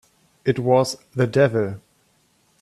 It was the devil!